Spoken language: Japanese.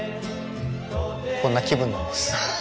こんな気分なんです。